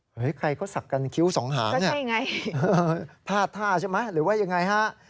ใครก็สักกันคิ้วสองหางเนี่ยพาดท่าใช่ไหมหรือว่ายังไงฮะ